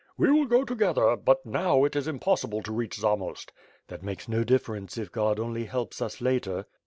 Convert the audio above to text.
"We will go together, but now it is impossible to reach Zamost." "That makes no difference, if God only helps us later."